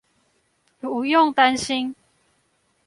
不用擔心